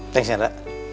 thanks ya zindra